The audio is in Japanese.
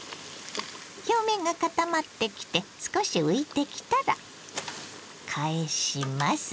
表面が固まってきて少し浮いてきたら返します。